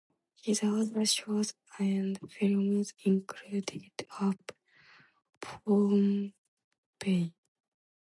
His other shows and films included Up Pompeii!